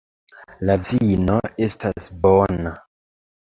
La vino estas bona.